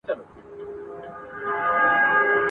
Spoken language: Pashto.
هم مرغان هم څلور بولي یې خوړله ..